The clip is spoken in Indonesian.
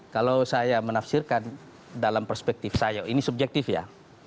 kalau saya menafsirkan dalam perspektif saya ini subjektif ya